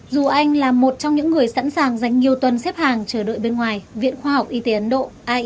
dù anh là một trong những người sẵn sàng dành nhiều tuần xếp hàng chờ đợi bên ngoài viện khoa học y tế ấn độ